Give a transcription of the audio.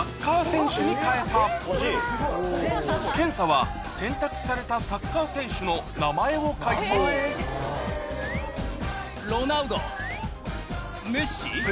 検査は選択されたサッカー選手の名前を回答ロナウドメッシ？